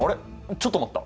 ちょっと待った。